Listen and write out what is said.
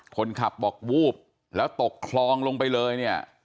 คนขับบอกวูบแล้วตกคลองลงไปเลยเนี่ย